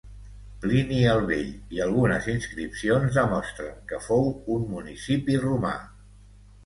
Plini el Vell i algunes inscripcions demostren que fou un municipi romà.